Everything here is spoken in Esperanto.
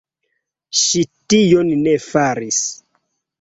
Ŝi tion ne faris.